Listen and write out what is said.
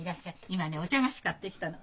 今ねお茶菓子買ってきたの。